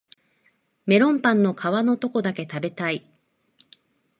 メロンパンの皮のとこだけ食べたい